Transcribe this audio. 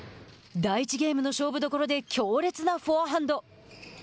第１ゲームの勝負どころで強烈なフォアハンド。